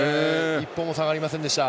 一歩も下がりませんでした。